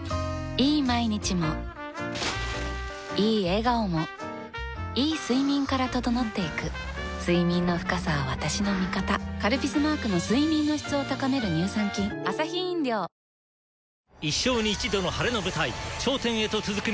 いい毎日もいい笑顔もいい睡眠から整っていく睡眠の深さは私の味方「カルピス」マークの睡眠の質を高める乳酸菌待ってました！